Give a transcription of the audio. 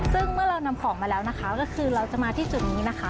ซึ่งเมื่อเรานำของมาแล้วนะคะก็คือเราจะมาที่จุดนี้นะคะ